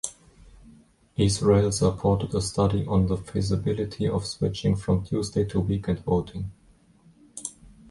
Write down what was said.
Israel supported a study on the feasibility of switching from Tuesday to weekend voting.